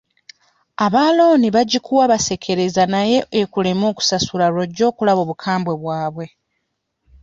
Aba looni bagikuwa basekereza naye ekuleme okusasula lw'ojja okulaba obukambwe bwabwe.